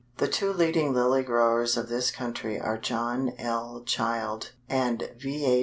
The two leading Lily growers of this country are John L. Child and V.